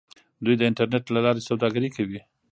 دوی د انټرنیټ له لارې سوداګري کوي.